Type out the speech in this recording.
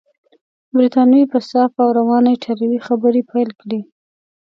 بریتانوي په صافه او روانه ایټالوې خبرې پیل کړې.